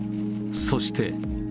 そして。